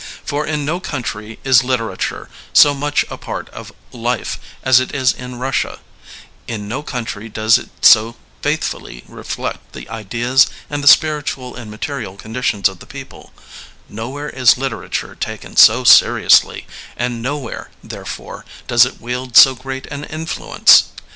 For in no country is literature so much a part of life as it is in Russia, in no country does it so faith fully reflect the ideas and the spiritual and material conditions of the people, nowhere is literature taken so seriously, and nowhere, therefore, does it wield so great an influence.